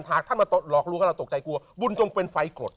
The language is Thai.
ถ้ามาหลอกรู้ก็เราตกใจกลัวบุญจงเป็นไฟกรด